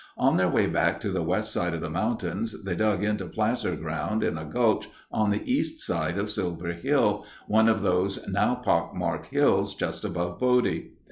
On their way back to the west side of the mountains, they dug into placer ground in a gulch on the east side of Silver Hill, one of those now pock marked hills just above Bodie.